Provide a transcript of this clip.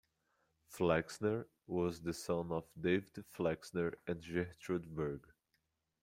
Flexner was the son of David Flexner and Gertrude Berg.